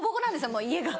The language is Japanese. もう家が。